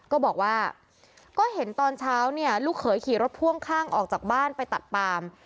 ก็บอกว่าก็เห็นตอนเช้าเนี่ยลูกเขยขี่รถพ่วงข้างออกจากบ้านไปตัดปาม